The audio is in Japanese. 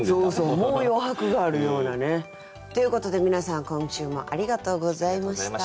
もう余白があるようなね。ということで皆さん今週もありがとうございました。